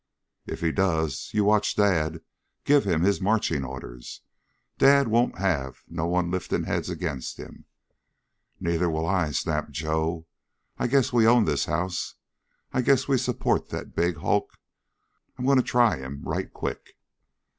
"If he does, you watch Dad give him his marching orders. Dad won't have no one lifting heads agin' him." "Neither will I," snapped Joe. "I guess we own this house. I guess we support that big hulk. I'm going to try him right quick."